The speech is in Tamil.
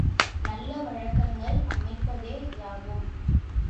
நல்ல வழக்கங்கள் அமைப்பதேயாகும்.